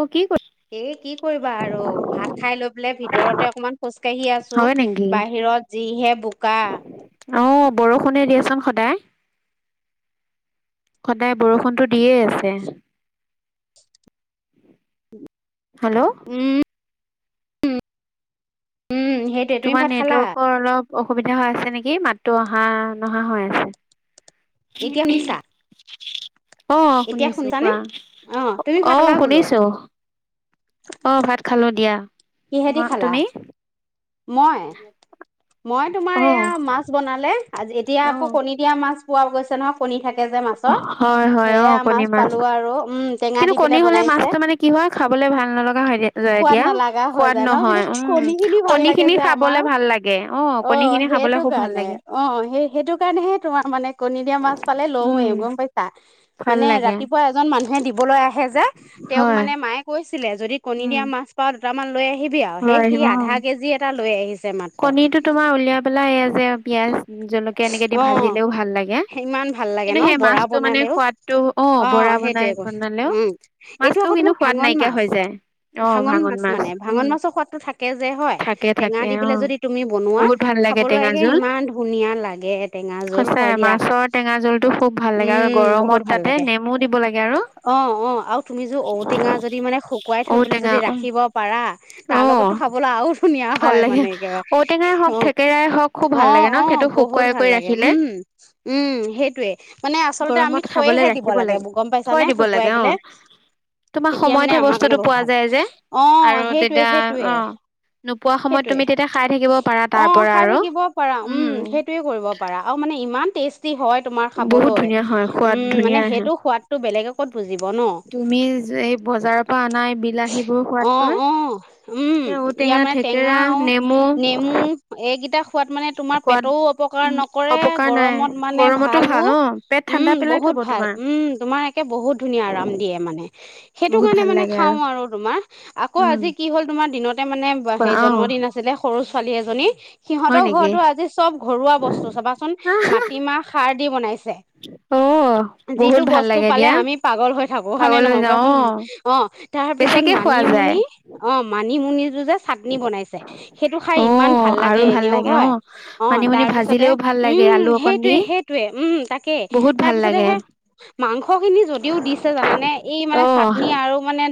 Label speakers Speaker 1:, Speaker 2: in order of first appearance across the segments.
Speaker 1: অ', কি কৰি।
Speaker 2: এ' কি কৰিবা আৰু ভাত খাই লৈ পেলাই ভিতৰতে অকমান খোজ কাঢ়ি আছো। বাহিৰত যিহে বোকা।
Speaker 1: অ', বৰষুণে দিয়াচোন সদায়, সদায় বৰষুণটো দিয়ে আছে। হেল্ল'
Speaker 2: উম',
Speaker 1: তোমাৰ নেটৱৰ্কৰ অলপ অসুবিধা হৈ আছে নেকি, মাতো অহা নহা হৈ আছে। [unintelligible] অৱ' শুনিছো কোৱা, অৱ', শুনিছো। অৱ', ভাত খালো দিয়া তমাৰ- তুমি?
Speaker 2: মই, মই তোমাৰ এয়া মাছ বনালে আজ এতিয়া আকৌ কণী দিয়া মাছ পোৱা গৈছে নহক কণী থাকে যে মাছৰ সেয়া মাছ পালো আৰু উম', টেঙা দি পেলাই বনাইছে।
Speaker 1: কি হয় খাবলে ভাল নলগা হয় যাই এতিয়া, সোৱাদ নহয় উম', কণী খিনি খাবলে ভাল লাগে অৱ', কণী খিনি খাবলৈ খুব ভাল লাগে।
Speaker 2: অৱ', সেই সেইটো কাৰণেহে তোমাৰ মানে কণী দিয়া মাছ পালে লওঁৱে গম পাইছা। মানে ৰাতিপুৱা এজন মানুহে দিবলৈ আহে যে তেওঁক মানে মায়ে। কৈছিলে যদি কণী দিয়া মাছ পাওঁ, দুটামান লৈ আহিবি আৰু সেই সি আধা কেজি এটা লৈ আহিছে
Speaker 1: কণীটো তোমাৰ উলিয়াই পেলাই এয়া যে পিয়াজ, জলকীয়া
Speaker 2: অ সিমান ভাল লাগে ন বৰা বনালেও অ সেইটোৱে উম এইটো আকৌ তোমাৰ ভাঙন মাছ ভাঙন মাছ মানে ভাঙন মাছৰ সোৱাদটো থাকে যে হয় টেঙা দি পেলাই যদি তুমি বনোৱা খাবলৈ ইমান ধুনীয়া লাগে টেঙা জোল হয় দিয়া উম বহুত ভাল লাগে অ অ আৰু তুমি যো ঔটেঙা যদি মানে শুকুৱাই থৈ পেলাই যদি ৰাখিব পাৰা তাৰ লগতো খাবলৈ আৰু ধুনীয়া হয় মানে একেবাৰে অ অ অ বহুত ভাল লাগে উম উম সেইটোৱে মানে আচলতে আমি থৈহে দিব লাগে গম পাইছা নে শুকুৱাই পেলাই তেতিয়া মানে আমাৰ কাৰণে বহুত ভাল অ সেইটোৱে সেইটোৱে
Speaker 1: পোৱা সময়ত তুমি তেতিয়া খাই থাকিব পাৰা তাৰ পৰা আৰু
Speaker 2: পাৰা উম সেইটোৱে কৰিব পাৰা আৰু মানে ইমান টেষ্ট টেষ্টি হয় তোমাৰ খাবলৈ উম মানে সেইটো সোৱাদ তো বেলেগে কত বুজিব ন অ অ উম ইয়া মানে টেঙা আও নেমু এইকেইটা খোৱাত মানে তোমাৰ পেটও অপকাৰ নকৰে গৰমত মানে ভালো উম বহুত ভাল উম তোমাৰ একে বহুত ধুনীয়া আৰাম দিয়ে মানে সেইটো কাৰণে মানে খাও আৰু তোমাৰ আকৌ আজি কি হ'ল তোমাৰ দিনতে মানে সেই জন্মদিন আছি যেনে সৰু ছোৱালী এজনী সিহঁতৰ ঘৰতো আজি চব ঘৰুৱা বস্তু চাবাচোন মাটিমাহ খাৰ দি বনাইছে যিটো বস্তু পালে আমি পাগল হৈ থাকো হয় নে নহয় কোৱাচোন অ তাৰ পিছত মানিমুনি অ মানিমুনিটো যে চাটনি বনাইছে সেইটো খাই ইমান ভাল লাগে এনেও হয় অ তাৰ পিছতে উম সেইটোৱে সেইটোৱে উম তাকেই তাৰ পিছতে সেই মাংস খিনি যদিও দিছে জানানে এই মানে চাটনি আৰু মানে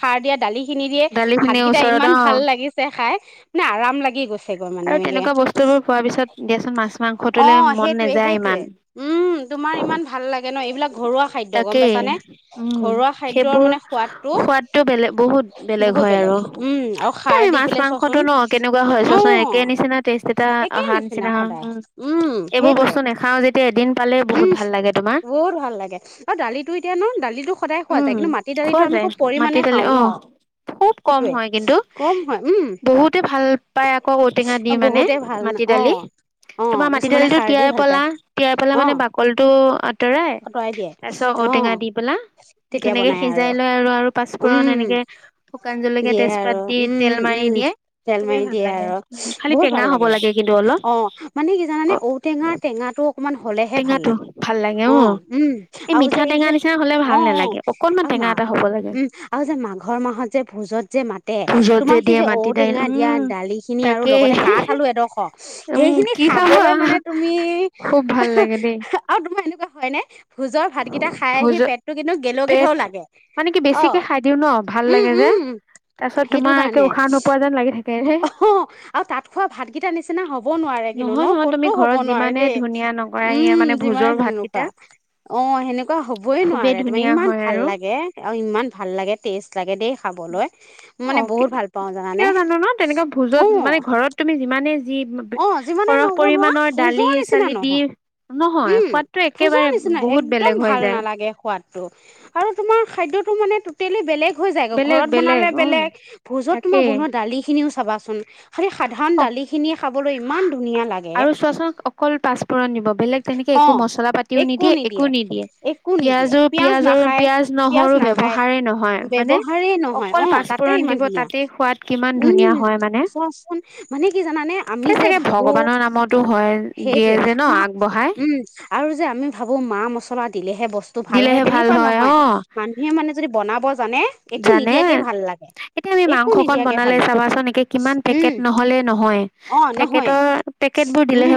Speaker 2: খাৰ দিয়া দালি খিনি দিয়ে ভাতকেইটা ইমান ভাল লাগি ছে খাই মানে আৰাম লাগি গৈছে
Speaker 1: আৰু তেনেকুৱা বস্তু বোৰ পোৱাৰ পিছত দিয়াচোন মাছ মাংসটোলে মন নাযায় ইমান
Speaker 2: উম, তোমাৰ ইমান ভাল লাগে ন এইবিলাক ঘৰুৱা খাদ্য গম পাইছা নে ঘৰুৱা খাদ্যৰ মানে সোৱাদটো বহুত বেলেগ উম আৰু খাৰ দি পেলাই চোৱাচোন অ একেই নিচিনা সদায় উম সেইটোৱে উম বহুত ভাল লাগে অ দালিটো এতিয়া ন দালিটো সদায় খোৱা যায় কিন্তু মাটি দালিটো আমি খুব পৰিমাণে খাওঁ ন
Speaker 1: খুব কম হয় কিন্তু বহুতে ভাল পাই আকৌ ঔটেঙা দি মানে মাটি দালি তোমাৰ মাটি দালিটো তিয়াই পেলা তিয়াই পেলাই মানে বাকলিটো আঁতৰাই
Speaker 2: আতৰাই দিয়ে
Speaker 1: তাৰ পিছত ঔটেঙা দি পেলা ধুনীয়াকে সিজাই লয় আৰু আৰু পাঁচপোৰণ এনেকে শুকান জলকীয়া তেজপাত দি তেল মাৰি দিয়ে
Speaker 2: তেল মাৰি দিয়ে আৰু বহুত ভাল লাগে অ মানে কি জানানে ঔটেঙাৰ টেঙাটো অকমান হলেহে ভাল লাগে অ উম আৰু যে, এই যে, [unintelligible] আৰু যে মাঘৰ মাহত যে ভোজত যে মাতে, তোমাৰ সেই যে ঔটেঙা দিয়া দালি খিনি আৰু লগতে কাঠ আলু এড খ, সেইখিনি খাবলৈ মানে তুমি আৰু তোমাৰ এনেকুৱা হয় নে? ভোজৰ ভাতকেইটা খাই আহি পেট টো, কিন্তু গেলেও-গেথেও লাগে?
Speaker 1: মানে কি বেছিকে খাই দিও ন? ভাল লাগে যে। তাৰ পিছত তোমাৰ একে উশাহ নোপোৱা যেন লাগি থাকে, হে
Speaker 2: আৰু তাত খোৱা ভাতকেইটাৰ নিচিনা হ'ব নোৱাৰে কিন্তু ন? কতো হ'ব নোৱাৰে দেই। উম, যিমানে তুমি নোখোৱা, অ, সেনেকুৱা হবই নোৱাৰে, তোমাৰ ইমান ভাল লাগে। অ, ইমান ভাল লাগে টেষ্ট লাগে দেই খাবলৈ, মানে বহুত ভাল পাও জানানে?
Speaker 1: তেনেকুৱা ভোজত, মানে ঘৰত তুমি যিমানে যি
Speaker 2: অ, যিমানেই নবনোৱা ভোজৰ নিচিনা নহয়। উম, ভোজৰ নিচিনা, একদম ভাল নালাগে সোৱাদ। আৰু তোমাৰ খাদ্যটো মানে টেলি, বেলেগ হৈ যায় গৈ, ঘৰত বনালে বেলেগ, ভোজত তোমাৰ বনোৱা দালি খিনিও চাবাচোন। খালি, সাধাৰণ দালি খিনি খাবলৈ ইমান ধুনীয়া লাগে।
Speaker 1: [inaudible] অকল পাঁচফোৰণ দিব, বেলেগ তেনেকে একো মচলা পাতিও নিদিয়ে, একো নিদিয়ে, পিয়াঁজো পিয়াজৰো, পিয়াজ নহৰু ব্যৱহাৰে নহয় হয়নে, অকল পাঁচফোৰণ দিব তাতে সোৱাদ। কিমান ধুনীয়া হয় মানে।
Speaker 2: মানে কি জানানে?
Speaker 1: সেই চাগে ভগৱানৰ নামতো হয়, দিয়ে যে, ন আগবঢ়াই।
Speaker 2: উম, আৰু যে আমি ভাবো মা-মছলা দিলেহে বস্তু ভাল হয়, তেনেকুৱা নহয় মান সি মানে যদি বনাব জানে একো নিদিয়াকে ভাল লাগে, একো নিদিয়াকে ভাল লাগে, উম, অ, নহয়ে উম,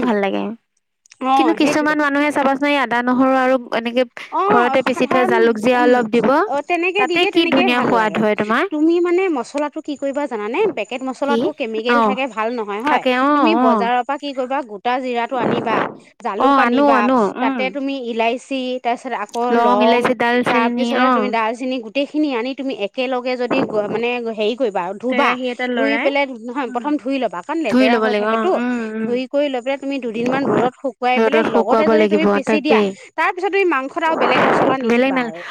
Speaker 1: কিন্তু কিছুমান মানুহে চাবাচোন আদা নহৰু আৰু এনেকে ঘৰতে পিচি থোৱা জালুক জীৰা অলপ দিব, তাতে,
Speaker 2: কে, ভাল লাগে, তুমি মানে মছলাটো কি কৰিবা জানে? পেকেট মছলাটো কেমিকেল থাকে ভাল নহয় হয়, তুমি বজাৰৰ পৰা কি কৰিবা, গোটা জিৰাটো আনিবা। জালুক আনিবা, তাতে তুমি ইলাাইচি তাৰপিছত আকৌ লং, তাৰ পিছতে তুমি ডাল সিনি, গোটেই খিনি আনি তুমি একেলগে যদি মানে, হেৰি কৰিবা আৰু ধুবা, ধুই পেলাই নহয়, প্ৰথম ধুই ল'বা, কাৰণ লেতেৰা হৈ থাকেটো ধুই লৈ পেলাই তুমি দুদিনমান ৰ'দত শুকুৱাই পেলাই লগতে যদি তুমি পিচি দিয়া তাৰ পিছত তুমি মাংসত আৰু বেলেগ মছলা নিদিবা আৰু।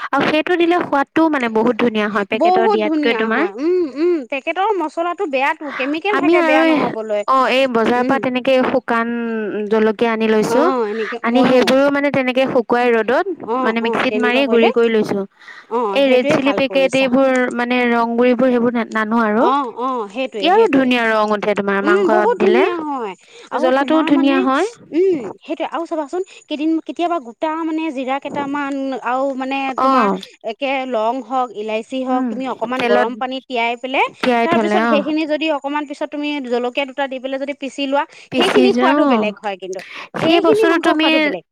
Speaker 2: বহুত ধুনীয়া হয়, উম, উম, তেখেতৰ মচলাটো বেয়াতটো। কেমিকেল থাকে, বেয়া নহ'বলৈ উম,
Speaker 1: কে, শুকান জলকীয়া আনি লৈছো, আনি সেইবোৰো মানে তেনেকেই শুকুৱাই ৰ'দত মানে মিক্সিত মাৰি গুৰি কৰি লৈছো। এই ৰেড চিলি পেকেট এইবোৰ মানে ৰং গুৰিবোৰবোৰ, সেইবোৰ না
Speaker 2: অ, অ, সেইটোৱে, সেইটোৱে উম, বহুত ধুনীয়া হয়। আৰু তোমাৰ মানে উম, সেইটোয়ে আৰু চাবাচোন কেইদিন কেতিয়াবা গোটা মানে জীৰা কেইটামান, আৰু মানে তোমাৰে একে, লং হক, ইলাই চি, হওক তুমি অকণমান গৰম পানী তিয়াই তাৰ পিছত সেইখিনি যদি অকনমান পিছত তুমি জলকীয়া দুটা দি পেলাই যদি পিচি লোৱা সেইখিনি খোৱাদো বেলেগ হয়, কিন্তু সেইখিনি মাংস খোৱাদো বেলেগ।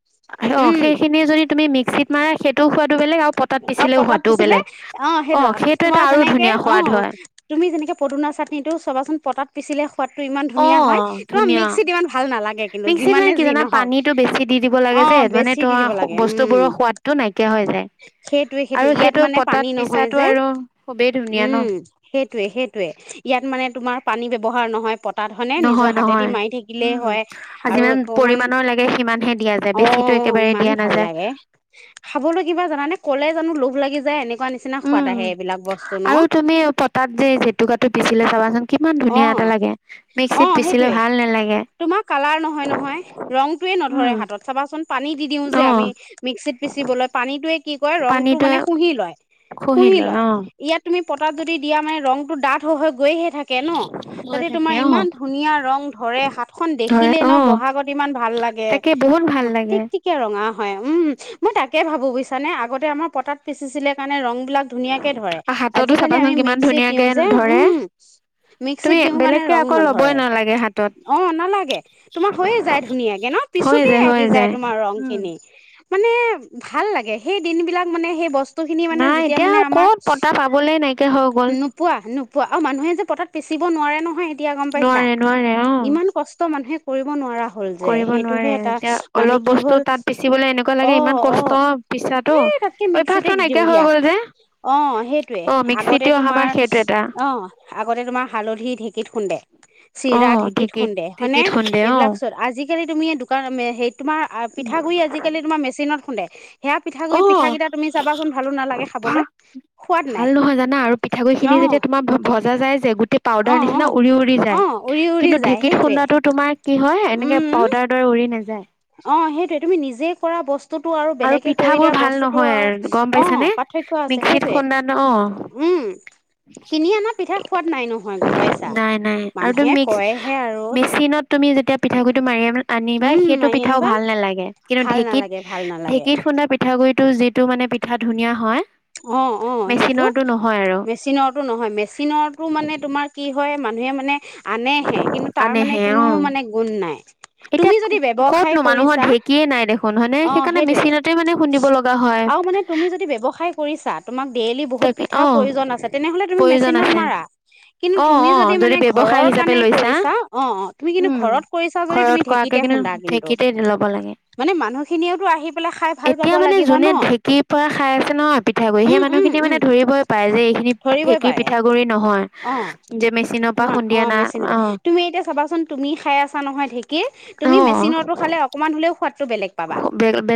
Speaker 1: অ, সেইখিনি যদি তুমি মিক্সিত মাৰা, সেইটোও সোৱাদো বেলেগ, আৰু পতাত পিছিলেও সোৱাদ
Speaker 2: পিছিলে অ, সেইটো, তোমাৰ যেনেকে, অ। তুমি যেনেকে পদুনা চাটনিটো চবাচোন, পতাত পিচিলে সোৱাদটো ইমান ধুনীয়া হয়। তো মিক্সিত ইমান ভাল নালাগে কিন্তু যিমানে যি নহওক।
Speaker 1: টো বেছি দি দিব লাগে যে, মানে তো বস্তু বোৰৰ সোৱাদটো নাইকিয়া হৈ যায়। আৰু সেইটো পটাত পিছাটো আৰু খুবেই ধুনীয়া ন।
Speaker 2: সেইটোয়ে, সেইটোয়ে ইয়াত মানে তোমাৰ পানী ব্যৱহাৰ নহয় প ত ধৰণে নিজৰ হাতেদি মাৰি থাকিলেই হয়। আৰু অকমান অ, ইমান ভাল লাগে। খাবলৈ কিবা জানানে কলে জানো লোভ লাগি যায়। এনেকুৱা নিচিনা সোৱাদ আহে, এইবিলাক বস্তু ন।
Speaker 1: তাত যে জেতুকাটো পিচিলে চাবাচোন কিমান ধুনীয়া এটা লাগে। মিক্সিত পিচিলে ভাল নালাগে।
Speaker 2: তোমাৰ কালাৰ নহয়-নহয় ৰং য়ে নধৰে হাতত চাবাচোন পানী দিওঁ যে, আমি মিক্সিত পিচিবলৈ পানীটোৱে কি কয় ৰংটো মানে শুহি লয়।
Speaker 1: শুহি লয়, অ।
Speaker 2: ইয়াত তুমি পতাত যদি দিয়া মানে ৰংটো ডাঠ হৈ গৈয়ে থাকে ন। তাতে তোমাৰ ইমান ধুনীয়া ৰং ধৰে হাত খন, দেখিলে ন বহাগত ইমান ভাল লাগে।
Speaker 1: তাকে বহুত ভাল লাগে।
Speaker 2: ৰঙা হয়, উম, মই তাকে ভাবো বুজিছনে আগতে আমাৰ পতাত পিচিছিলে কাৰণে ৰং বিলাক ধুনীয়াকে ধৰে। আজিকালি আমি মিক্সিত দিওঁ যে, উম। মিক্সিত দিওঁ কাৰণে ৰং নধৰে। অ, নালাগে তোমাৰ হৈয়ে যায় ধুনীয়াকে ন। পিছোতেই আহি যায় তোমাৰ ৰংখিনি। মানে ভাল লাগে, সেই দিন বিলাক মানে সেই বস্তু বস্ত খিনি মানে যেতিয়া মানে আমাৰ পোৱা নোপোৱা, আৰু মানুহে যে পতাত পিচিব নোৱাৰে নহয়। এতিয়া গম পাইছা, ইমান কষ্ট মানুহে কৰিব নোৱাৰা
Speaker 1: কৰিব নোৱাৰে। এতিয়া অলপ বস্তু তাত পিচিবলৈ এনেকুৱা লাগে ইমান কষ্ট পিছাটো, অভ্যাসটো নাইকিয়া হৈ গ'ল যে।
Speaker 2: অ, সেইটোয়ে আগতে তোমাৰ অ, আগতে তোমাৰ হালধি ঢেকীত খুন্দে, চিৰা ঢেঁকীত খুন্দে, হয়নে এইবিলাক চব আজি আজিকালি তুমি দোকান হে তোমাৰ পিঠাগুৰি আজিকালি তোমাৰ মেচিনত খুন্দে। সেয়া পিঠাগুৰি পিঠা কেইটা তুমি চাবাচোন ভালো নালাগে খাবলৈ, সোৱাদ নাই।
Speaker 1: ভাল নহয় জানা আৰু পিঠাগু়িখিনি যেতিয়া তোমাৰ ভজা যায় যে গোটেই পাউদাৰ নিচিনা উৰি- উৰি যায়। কিন্তু ঢেঁকীত খুন্দটো তোমাৰ কি হয় এনেকে পাউদাৰ দৰে উৰি নাযায়।
Speaker 2: অ, সেইটোয়ে তুমি নিজে কৰা বস্তু বস্তুটো আৰু বেলেগে কৰি দিয়া বস্তুটো আৰু অ, পাৰ্থক্য আছে সেইটোয়ে। উম। কিনি অনা পিঠা সোৱাদ নাই নহয়, গম পাইছা। মানুহে কয়হে আৰু।
Speaker 1: তুমি যেতিয়া পিঠাগুৰিটো মাৰি আনিবা, সেইটো পিঠাও ভাল নালাগে। কিন্তু ঢেঁকীত খুন্দা পিঠাগুৰিটো যিটো মানে পিঠা ধুনীয়া হয়। মেচিনৰটো নহয় আৰু।
Speaker 2: নহয় মেচিনো মানে, তোমাৰ কি হয় মানুহে মানে আনেহে কিন্তু তাৰ মানে কোনো মানে গুণ নাই। তুমি যদি ব্যৱসায় কৰিছা
Speaker 1: সিয়ে নাই দেখোন হয়
Speaker 2: অ' সেইটোয়ে, আৰু মানে তুমি যদি ব্যৱসায় কৰিছা তোমাক ডেইলি বহুত পিঠাৰ প্ৰয়োজন আছে তেনেহ'লে তুমি মেচিনত মাৰা। কিন্তু তুমি যদি মানে ঘৰৰ কাৰণে কৰিছা অ', অ', তুমি কিন্তু ঘৰত কৰিছ [unintelligible] তুমি ঢেঁকীতে খুন্দা কিন্তু, মানে মানুহ খিনি [unintelligible] আহি পেলাই খাই ভাল পাব লাগিব ন' উম, উম।
Speaker 1: মানে ধৰিবই পায় যে এইখিনি ঢেঁকীৰ পিঠাগুৰি নহয়। যে মেচিনৰ পৰা খুন্দি অনা অ'।
Speaker 2: তুমি এতিয়া চাবাচোন তুমি খাই আছা নহয় ঢেঁকীৰ, তুমি মেচিনৰো খালে অকণমান হ'লেও সোৱাদাটো বেলেগ পাবা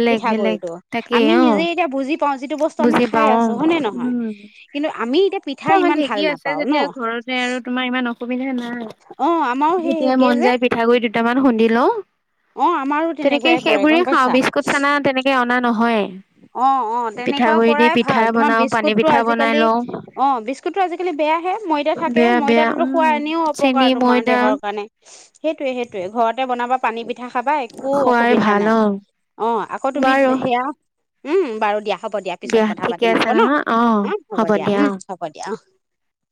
Speaker 2: পিঠা গুড়িটো, আমি নিজে এতিয়া বুজি পাওঁ যিটো বস্তু আমি খাই আছোঁ হয়নে নহয়। কিন্তু আমি এতিয়া
Speaker 1: এতিয়া আমাৰ ঢেঁকী আছে যেতিয়া ঘৰতে আৰু তোমাৰ ইমান অসুবিধা ন উম, যেতিয়াই মন যায় পিঠাগুৰি দুটামান খুন্দি লওঁ। তেনেকে সেইবোৰে খাওঁ বিস্কুট, চানা তেনেকে অনা নহয়।
Speaker 2: অ', অ', তেনেকুৱা কৰাই ভাল তোমাৰ বিস্কুটটো আজিকালি অ' বিস্কুটটো আজিকালি বেয়াহে ময়দা থাকে ময়দাটোতো খোৱা এনেও অপকাৰ তোমাৰ দেহৰ কাৰণে। সেইটোয়ে সেইটোয়ে ঘৰতে বনাবা পানী পিঠা খাবা এক একো অসুবিধা নাই, অ' আকৌ তুমি সেয়া উম, বাৰু দিয়া হ'ব দিয়া পিছত কথা পাতিম আকৌ ন' অ' হ'ব দিয়া উম, হ'ব দিয়া অ'।